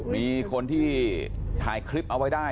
มีคนที่ถ่ายคลิปเอาไว้ได้